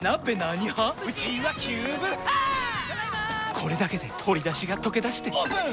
これだけで鶏だしがとけだしてオープン！